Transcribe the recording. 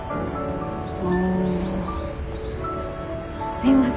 すいません。